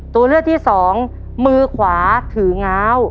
ตัวเลือดที่๒มือขวาถืองาว